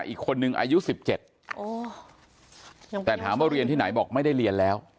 อีกคนนึงอายุ๑๗แต่ถามว่าเรียนที่ไหนบอกไม่ได้เรียนแล้ว